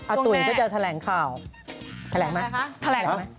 ตุ๋ยเขาจะแถลงข่าวแถลงไหมแถลงไหม